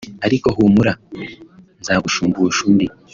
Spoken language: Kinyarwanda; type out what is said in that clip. ariko humura nzagushumbusha undi